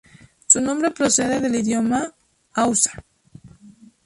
Su nombre procede del idioma hausa.